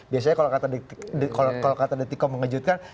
biasanya kalau kata detiko mengejutkan